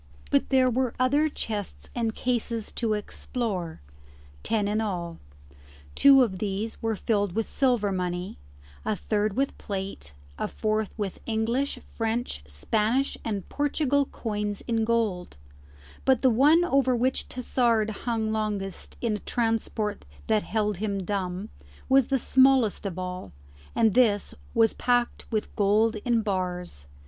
But there were other chests and cases to explore ten in all: two of these were filled with silver money, a third with plate, a fourth with English, French, Spanish, and Portugal coins in gold; but the one over which Tassard hung longest in a transport that held him dumb, was the smallest of all, and this was packed with gold in bars.